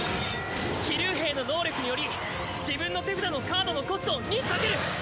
騎竜兵の能力により自分の手札のカードのコストを２下げる。